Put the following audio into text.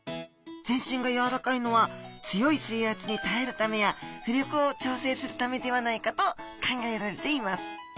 全身がやわらかいのは強い水圧に耐えるためや浮力を調整するためではないかと考えられています。